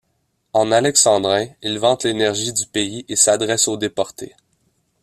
En alexandrin, il vante l'énergie du pays et s'adresse aux déportés.